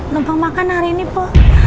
lompat makan hari ini po